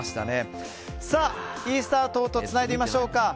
では、イースター島とつないでみましょうか。